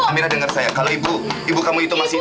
amira denger saya kalau ibu kamu itu masih